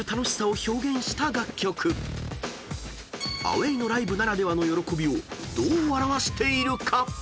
［アウェイのライブならではの喜びをどう表しているか］